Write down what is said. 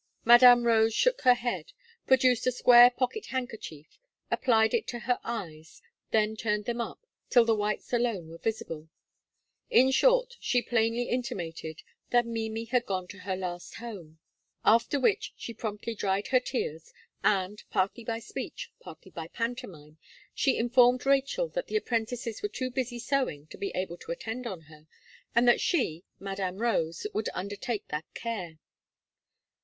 Madame Rose shook her head, produced a square pocket handkerchief, applied it to her eyes, then turned them up, till the whites alone were visible; in short, she plainly intimated that Mimi had gone to her last home; after which she promptly dried her tears, and, partly by speech, partly by pantomime, she informed Rachel that the apprentices were too busy sewing to be able to attend on her, and that she Madame Rose would undertake that care.